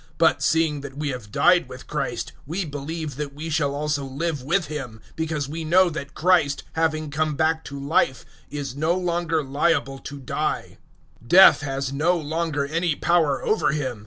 006:008 But, seeing that we have died with Christ, we believe that we shall also live with Him; 006:009 because we know that Christ, having come back to life, is no longer liable to die. 006:010 Death has no longer any power over Him.